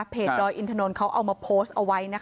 ดอยอินทนนท์เขาเอามาโพสต์เอาไว้นะคะ